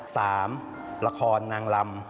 ละครนางลำ